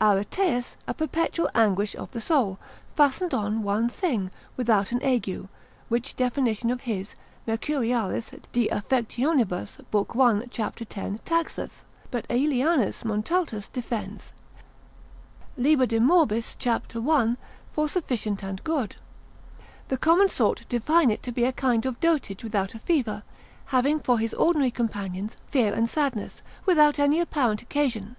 Aretaeus, a perpetual anguish of the soul, fastened on one thing, without an ague; which definition of his, Mercurialis de affect. cap. lib. 1. cap. 10. taxeth: but Aelianus Montaltus defends, lib. de morb. cap. 1. de Melan. for sufficient and good. The common sort define it to be a kind of dotage without a fever, having for his ordinary companions, fear and sadness, without any apparent occasion.